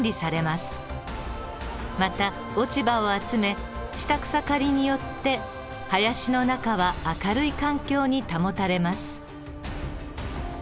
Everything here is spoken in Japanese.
また落ち葉を集め下草刈りによって林の中は明るい環境に保たれます。